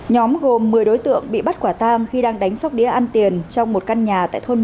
nhóm gồm một mươi đối tượng bị bắt quả tang khi đang đánh sóc đĩa ăn tiền trong một căn nhà tại thôn năm